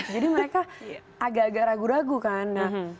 jadi mereka agak agak ragu ragu kan